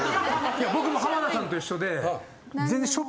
僕も浜田さんと一緒で。